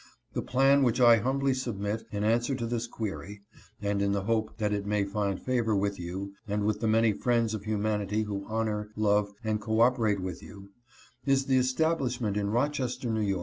The plan which I humbly submit in answer to this inquiry (and in the hope that it may find favor with you, and with the many friends of humanity who honor, love and cooporate with you) is the establishment in Rochester, 5[. Y.